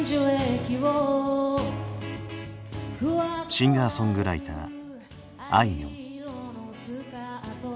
シンガーソングライターあいみょん。